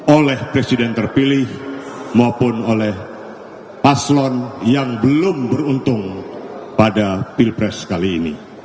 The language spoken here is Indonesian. oleh presiden terpilih maupun oleh paslon yang belum beruntung pada pilpres kali ini